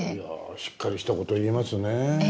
しっかりしたことを言いますねぇ。